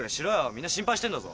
みんな心配してんだぞ。